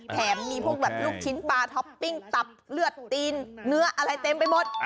แถมมีพวกแบบลูกชิ้นปลาท็อปปิ้งตับเลือดตีนเนื้ออะไรเต็มไปหมด